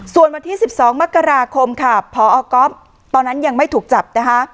ส่วนวันที่๑๒มกราคมค่ะพอก๊อฟตอนนั้นยังไม่ถูกจับนะคะ